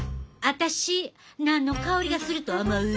私何の香りがすると思う？